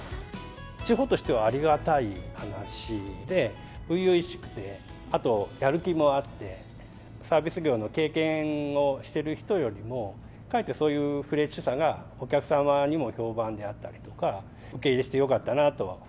地方としてはありがたい話で、ういういしくて、あと、やる気もあって、サービス業の経験をしてる人よりも、かえってそういうフレッシュさが、お客様にも評判であったりとか、受け入れしてよかったなと。